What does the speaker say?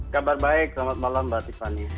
kabar baik selamat malam mbak tiffany